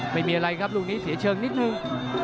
ไม่มีอะไรครับลูกนี้เสียเชิงนิดนึง